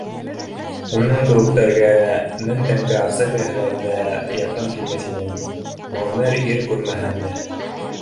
Уның кеүектәргә, мең тәңкә аҡса бирһәләр ҙә, яҡын килмәҫ инем, ғүмер ир күрмәһәм дә